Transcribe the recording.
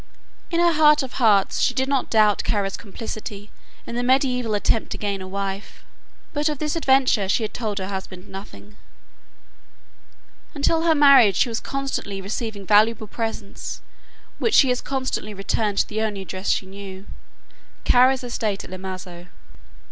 In her heart of hearts she did not doubt Kara's complicity in this medieval attempt to gain a wife, but of this adventure she had told her husband nothing. Until her marriage she was constantly receiving valuable presents which she as constantly returned to the only address she knew Kara's estate at Lemazo.